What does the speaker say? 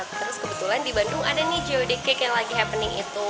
terus kebetulan di bandung ada nih geod cake yang lagi happening itu